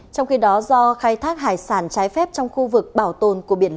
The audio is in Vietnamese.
trong khi đó do khai thác hải sản trái phép trong khu vực bảo tồn